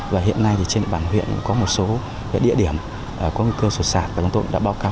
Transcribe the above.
và hiện nay trên bản huyện có một số địa điểm có nguy cơ sụt sản và chúng tôi đã báo cáo